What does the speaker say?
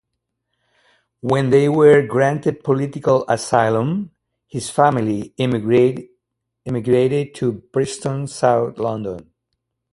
When they were granted political asylum, his family emigrated to Brixton, South London.